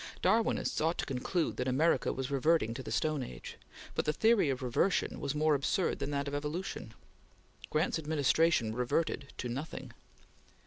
Darwinists ought to conclude that America was reverting to the stone age, but the theory of reversion was more absurd than that of evolution. Grant's administration reverted to nothing.